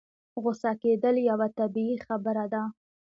غوسه کېدل يوه طبيعي خبره ده.